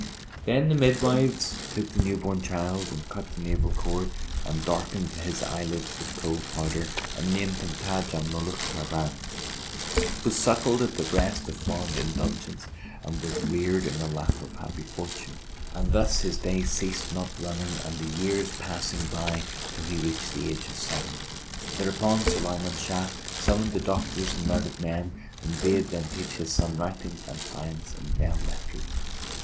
Then the midwives took the newborn child and cut the navel cord and darkened his eyelids with Kohl powder[FN#466] and named him Táj al Mulúk Khárán.[FN#467] He was suckled at the breast of fond indulgence and was reared in the lap of happy fortune; and thus his days ceased not running and the years passing by till he reached the age of seven. Thereupon Sulayman Shah summoned the doctors and learned men and bade them teach his son writing and science and belle lettres.